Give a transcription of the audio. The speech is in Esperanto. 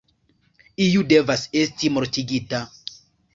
Iu devas esti mortigita.